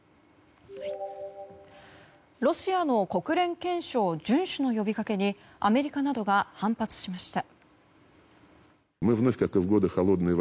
ロシアの国連憲章順守の呼びかけにアメリカなどが反発しました。